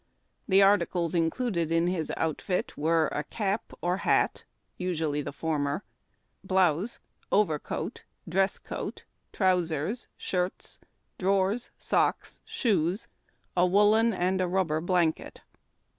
The articles included in his outfit were a cap or hat (usually the former), blouse, overcoat, dress coat, trousers, shirts, drawers, socks, shoes, a woollen and a rubber blanket.